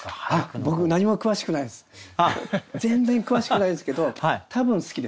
全然詳しくないですけど多分好きです。